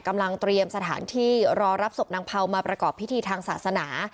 กำลังเตรียมสถานที่รอรับศพนางเผามาประกอบพิธีทางศาสนา